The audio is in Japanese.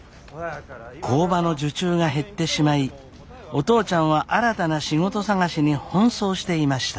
工場の受注が減ってしまいお父ちゃんは新たな仕事探しに奔走していました。